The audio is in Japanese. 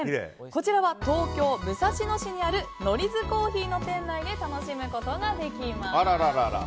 こちらは東京・武蔵野市にあるノリズコーヒーの店内で楽しむことができます。